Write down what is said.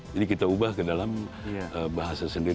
jadi kita ubah ke dalam bahasa sendiri